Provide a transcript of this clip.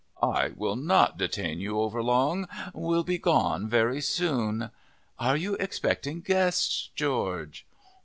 I will not detain you overlong, will be gone very soon. Are you expecting guests, George?